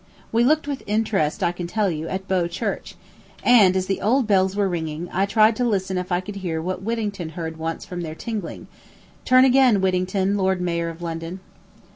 We looked with interest, I can tell you, at Bow Church, and, as the old bells were ringing, I tried to listen if I could hear what Whittington heard once from their tingling "Turn again, Whittington, lord mayor, of London."